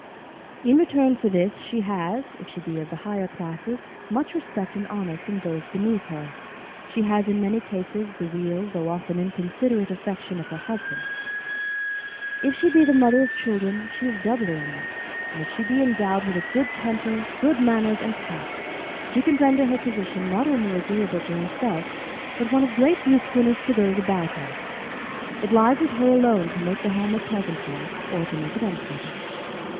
In return for this, she has, if she be of the higher classes, much respect and honor from those beneath her. She has, in many cases the real though often inconsiderate affection of her husband. If she be the mother of children, she is doubly honored, and if she be endowed with a good temper, good manners, and tact, she can render her position not only agreeable to herself, but one of great usefulness to those about her. It lies with her alone to make the home a pleasant one, or to make it unpleasant.